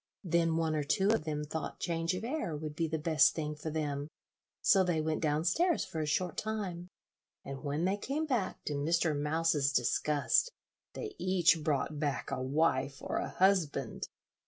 Then one or two of them thought change of air would be the best thing for them, so they went down stairs for a short time, and when they came back, to Mr. Mouse's disgust, they each brought back a wife or a husband.